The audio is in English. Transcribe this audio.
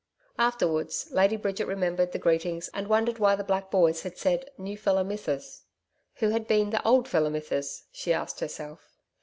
Afterwards, Lady Bridget remembered the greetings and wondered why the black boys had said: 'New feller Mithsis!' Who had been the old feller Mithsis? she asked herself.